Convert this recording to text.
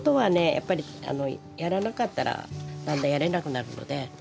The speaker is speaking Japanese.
やっぱりやらなかったらだんだんやれなくなるので。